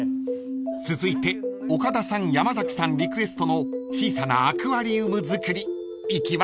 ［続いて岡田さん山崎さんリクエストの小さなアクアリウム作り行きましょう］